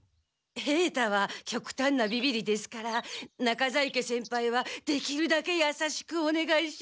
平太はきょくたんなビビリですから中在家先輩はできるだけ優しくお願いします。